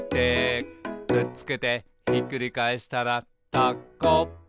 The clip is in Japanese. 「くっつけてひっくり返したらタコ」